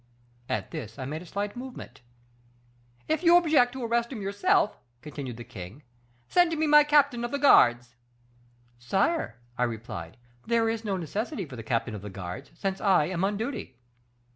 At this I made a slight movement. "'If you object to arrest him yourself,' continued the king, 'send me my captain of the guards.' "'Sire,' I replied, 'there is no necessity for the captain of the guards, since I am on duty.